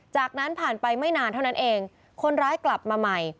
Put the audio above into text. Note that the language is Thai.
จากนั้นผ่านไปไม่นานเท่านั้นเองคนร้ายกลับมาใหม่